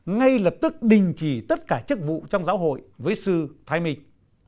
ngay lập tức đình chỉ tất cả chức vụ trong giáo hội với sư thái minh